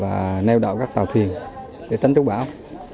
và neo đạo các tàu thuyền để tránh trúc bão